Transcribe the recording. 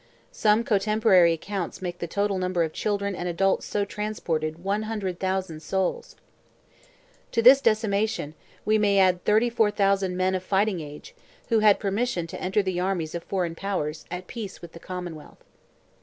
Some cotemporary accounts make the total number of children and adults so transported 100,000 souls. To this decimation, we may add 34,000 men of fighting age, who had permission to enter the armies of foreign powers, at peace with the commonwealth.